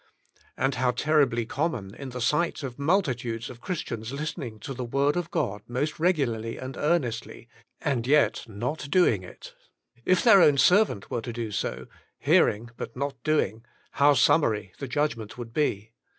And how terriblj jcommon, the sight of multi tudes of Christians listening to the word of God most regularly and earnestly, and yet not doing it. If their own_^servant were to do so, hearing but Not Doixg^ how summary the judgment would be.